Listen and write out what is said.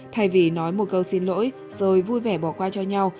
thay vì nói một câu xin lỗi rồi vui vẻ bỏ qua cho nhau